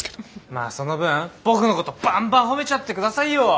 まあその分僕のことバンバン褒めちゃって下さいよ。